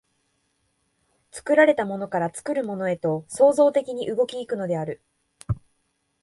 作られたものから作るものへと創造的に動き行くのである。